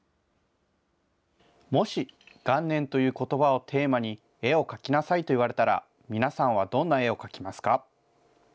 もし元年ということばをテーマに、絵を描きなさいと言われたら、皆さんはどんな絵を描きますか？